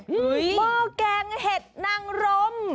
หม้อแกงเห็ดนางรม